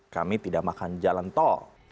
kami tidak makan jalan tol